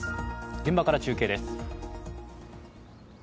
現場から中継です。